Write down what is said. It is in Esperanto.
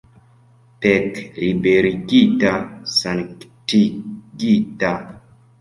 Pekliberigita, sanktigita!